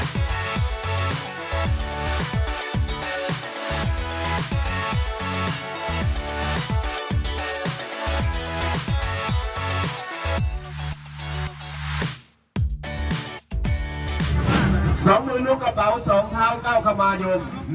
หน้าเรือพนุภระของวัดหนองหอย